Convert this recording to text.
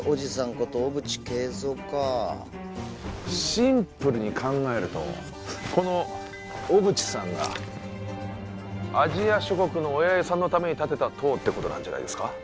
こと小渕恵三かシンプルに考えるとこの小渕さんがアジア諸国のお偉いさんのために建てた塔ってことなんじゃないですか？